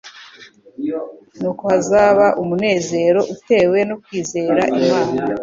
Nuko hazaba umunezero utewe no kwizera Imana.